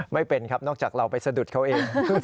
ไม่เป็นครับนอกจากเราไปสะดุดเขาเอง